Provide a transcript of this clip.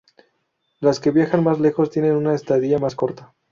Las que viajan más lejos tienen una estadía más corta.